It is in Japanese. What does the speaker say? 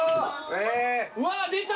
・うわ出た！